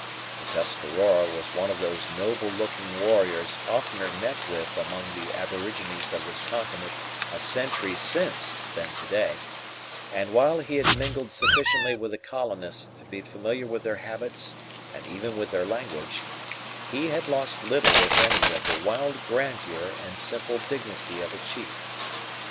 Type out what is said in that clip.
The Tuscarora was one of those noble looking warriors oftener met with among the aborigines of this continent a century since than to day; and, while he had mingled sufficiently with the colonists to be familiar with their habits and even with their language, he had lost little, if any, of the wild grandeur and simple dignity of a chief.